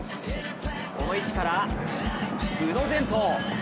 この位置から、宇野禅斗。